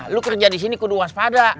lu kerja di sini aku duas pada